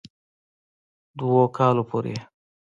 دوؤ کالو پورې ئې